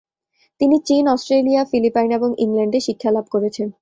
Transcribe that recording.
তিনি চীন, Australia, Philippines এবং ইংল্যান্ডে শিক্ষালাভ করেছেন।